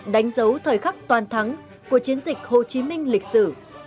đánh dấu thời khắc toàn thắng của chiến dịch hồ chí minh lịch sử